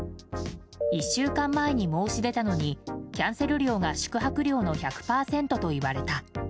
１週間前に申し出たのにキャンセル料が宿泊料の１００％と言われた。